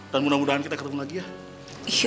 dan mudah mudahan kita ketemu lagi ya